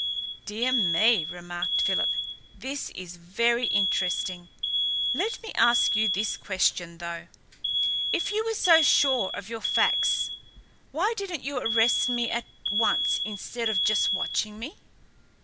"Dear me," remarked Philip, "this is very interesting. Let me ask you this question, though. If you were so sure of your facts, why didn't you arrest me at once instead of just watching me?"